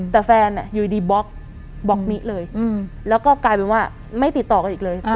แต่แฟนอยู่ดีบล็อกบล็อกมิเลยแล้วก็กลายเป็นว่าไม่ติดต่อกันอีกเลย